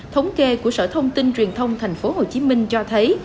thống kê của sở thông tin truyền thông thành phố hồ chí minh cho thấy